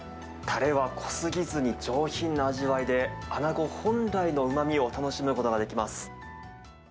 たれは濃すぎずに、上品な味わいで、アナゴ本来のうまみを楽しむことができます。